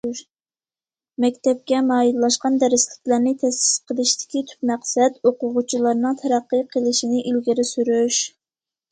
مەكتەپكە مايىللاشقان دەرسلىكلەرنى تەسىس قىلىشتىكى تۈپ مەقسەت ئوقۇغۇچىلارنىڭ تەرەققىي قىلىشىنى ئىلگىرى سۈرۈش.